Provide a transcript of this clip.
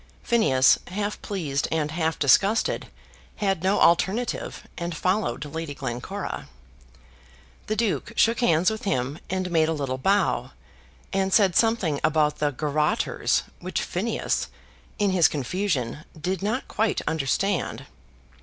Phineas, half pleased and half disgusted, had no alternative, and followed Lady Glencora. The Duke shook hands with him, and made a little bow, and said something about the garrotters, which Phineas, in his confusion, did not quite understand.